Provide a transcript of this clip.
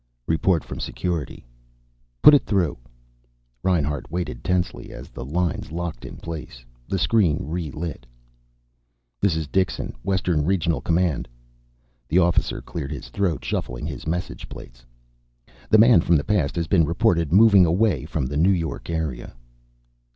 "Report from Security." "Put it through." Reinhart waited tensely as the lines locked in place. The screen re lit. "This is Dixon. Western Regional Command." The officer cleared his throat, shuffling his message plates. "The man from the past has been reported, moving away from the New York area."